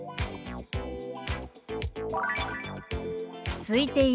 「すいている」。